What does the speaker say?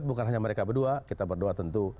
bukan hanya mereka berdua kita berdua tentu